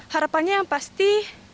harapannya yang pasti